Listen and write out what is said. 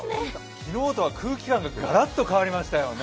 昨日とは空気感がガラッと変わりましたよね。